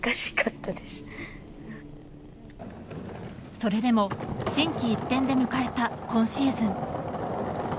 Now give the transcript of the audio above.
それでも、心機一転で迎えた今シーズン。